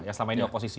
yang selama ini oposisi